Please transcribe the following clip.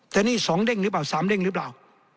แต่นี่๒เด้งหรือเปล่า๓เด้งหรือเปล่า